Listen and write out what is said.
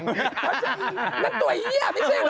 ว่าใช่มั้ยนั่นตัวเยี้ยะไม่ใช่เหรอ